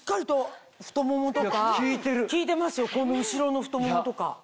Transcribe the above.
この後ろの太ももとか。